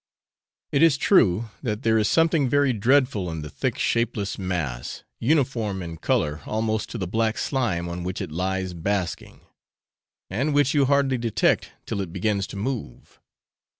It is true that there is something very dreadful in the thick shapeless mass, uniform in colour almost to the black slime on which it lies basking, and which you hardly detect till it begins to move.